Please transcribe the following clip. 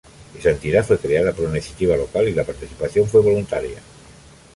Esta entidad fue creada por una iniciativa local y la participación fue voluntaria.